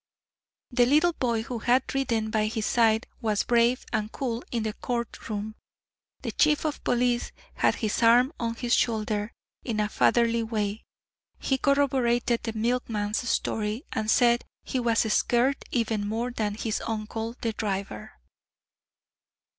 The little boy who had ridden by his side was brave and cool in the court room; the Chief of Police had his arm on his shoulder in a fatherly way. He corroborated the milkman's story, and said he was scared even more than his uncle, the driver.